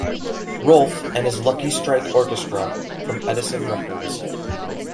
Rolfe and his Lucky Strike Orchestra for Edison Records.